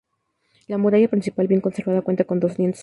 La muralla principal, bien conservada, cuenta con dos lienzos.